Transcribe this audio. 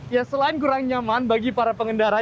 ya selain kurang nyaman bagi para pengendara